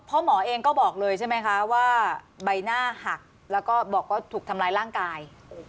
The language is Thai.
เพราะหมอเองก็บอกเลยใช่ไหมคะว่าใบหน้าหักแล้วก็บอกว่าถูกทำร้ายร่างกาย